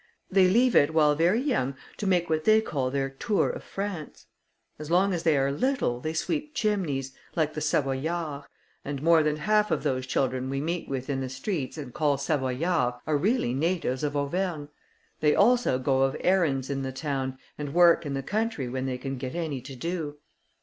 They leave it, while very young, to make what they call their Tour of France. As long as they are little, they sweep chimneys, like the Savoyards, and more than half of those children we meet with in the streets and call Savoyards, are really natives of Auvergne: they also go of errands in the town, and work in the country when they can get any to do.